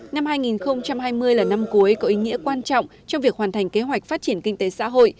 năm hai nghìn hai mươi là năm cuối có ý nghĩa quan trọng trong việc hoàn thành kế hoạch phát triển kinh tế xã hội